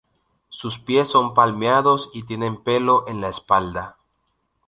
Sus pies son palmeados y tienen pelo en la espalda.